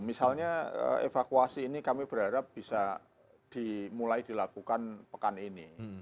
misalnya evakuasi ini kami berharap bisa dimulai dilakukan pekan ini